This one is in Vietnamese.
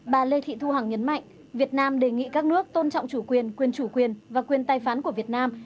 bà lê thị thu hằng nhấn mạnh việt nam đề nghị các nước tôn trọng chủ quyền quyền chủ quyền và quyền tài phán của việt nam